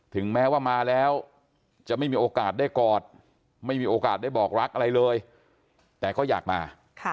ถึงแม้ว่ามาแล้วจะไม่มีโอกาสได้กอดไม่มีโอกาสได้บอกรักอะไรเลยแต่ก็อยากมา